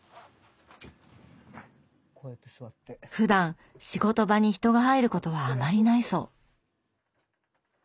ふだん仕事場に人が入ることはあまりないそう。